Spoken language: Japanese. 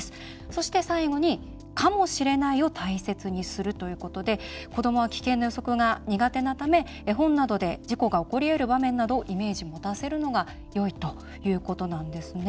そして、最後にかもしれないを大切にするということで子どもは危険の予測が苦手なため、絵本などで事故が起こりうる場面などイメージを持たせることがよいということなんですね。